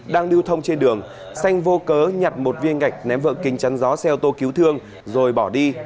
đang điêu thông trên đường xanh vô cớ nhặt một viên ngạch ném vợ kinh chắn gió xe ô tô cứu thương rồi bỏ đi